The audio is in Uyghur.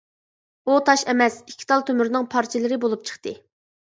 ئۇ تاش ئەمەس ئىككى تال تۆمۈرنىڭ پارچىلىرى بولۇپ چىقتى.